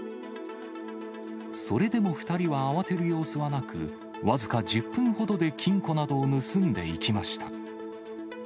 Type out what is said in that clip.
それでも２人は慌てる様子はなく、僅か１０分ほどで金庫などを盗んでいきました。